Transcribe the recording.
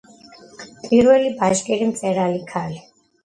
პირველი ბაშკირი მწერალი ქალი.